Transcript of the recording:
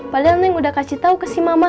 padahal neng udah kasih tau ke si mama